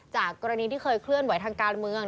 จากกรณีที่เคยเคลื่อนไหวทางการเมือง